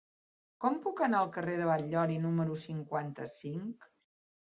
Com puc anar al carrer de Batllori número cinquanta-cinc?